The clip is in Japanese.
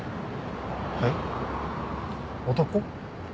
えっ男？